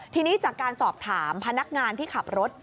ทีนี้จากการสอบถามพนักงานที่ขับรถ